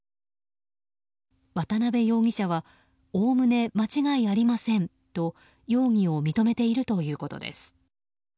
渡辺容疑者はおおむね間違いありませんと容疑を認めているということです。